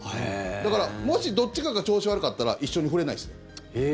だからもしどっちかが調子悪かったら一緒に振れないですね。